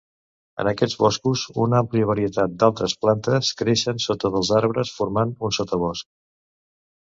En aquests boscos, una àmplia varietat d'altres plantes creixen sota dels arbres, formant un sotabosc.